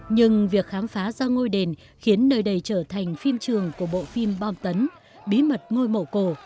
nhưng việc khám phá ra ngôi đền khiến nơi đây trở thành phim trường của bộ phim bom tấn bí mật ngôi mộ cổ